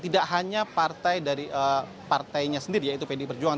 tidak hanya partai dari partainya sendiri yaitu pdi perjuangan